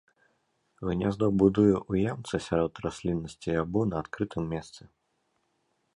Гняздо будуе ў ямцы сярод расліннасці або на адкрытым месцы.